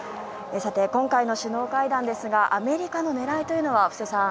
今回の首脳会談ですがアメリカの狙いは布施さん